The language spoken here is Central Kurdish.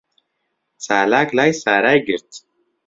چالاک لای سارای گرت.